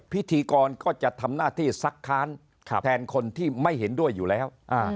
พิธีกรก็จะทำหน้าที่ซักค้านแทนคนที่ไม่เห็นด้วยอยู่แล้ว